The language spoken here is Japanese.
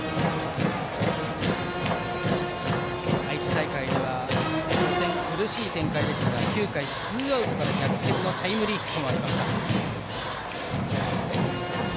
愛知大会では初戦苦しい展開でしたが９回ツーアウトから逆転のタイムリーヒット。